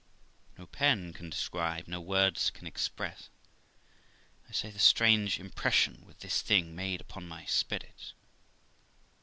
No pen can describe, no words can express, I say, the strange impression which this thing made upon my spirits.